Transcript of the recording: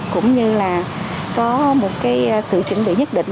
cũng như là có một sự chuẩn bị nhất định